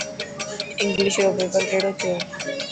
انگلش رو پيپر ڪهڙو ٿيو.